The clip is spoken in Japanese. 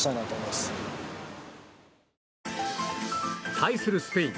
対するスペイン。